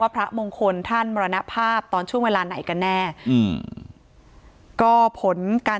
พระมงคลท่านมรณภาพตอนช่วงเวลาไหนกันแน่อืมก็ผลการ